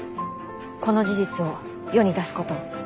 この事実を世に出すこと。